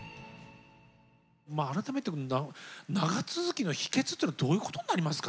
改めて長続きの秘けつというのはどういうことになりますかね？